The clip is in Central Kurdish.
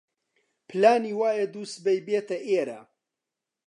پلانی وایە دووسبەی بێتە ئێرە.